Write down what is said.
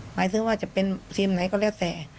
หมายถึงว่าจะเป็นทีมไหนก็แล้วแต่